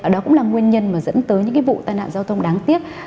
đó cũng là nguyên nhân dẫn tới những vụ tai nạn giao thông đáng tiếc